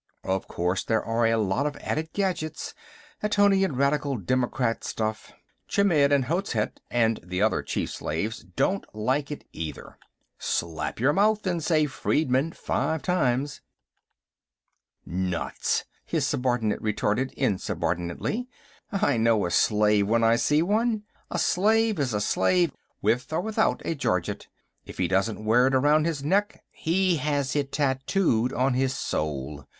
Of course, there are a lot of added gadgets; Atonian Radical Democrat stuff. Chmidd and Hozhet and the other chief slaves don't like it, either." "Slap your mouth and say, 'Freedmen,' five times." "Nuts," his subordinate retorted insubordinately. "I know a slave when I see one. A slave is a slave, with or without a gorget; if he doesn't wear it around his neck, he has it tattooed on his soul.